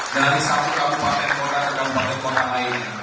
dari satu kabupaten kota ke dalam banyak kota lain